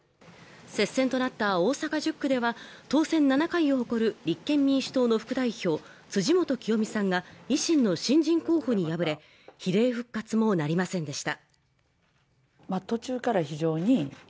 接戦となった大阪１０区では当選７回を誇る立憲民主党の副代表・辻元清美さんが維新の新人候補に敗れ、比例復活もなりませんでした。